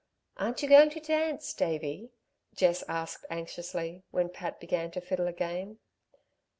"Aren't you going to dance, Davey?" Jess asked anxiously, when Pat began to fiddle again.